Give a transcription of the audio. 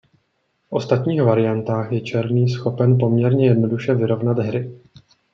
V ostatních variantách je černý schopen poměrně jednoduše vyrovnat hry.